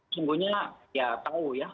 sungguhnya ya tahu ya